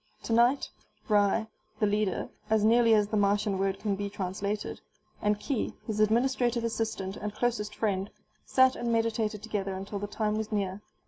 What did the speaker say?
Tonight Ry, the leader (as nearly as the Martian word can be translated), and Khee, his administrative assistant and closest friend, sat and meditated together until the time was near.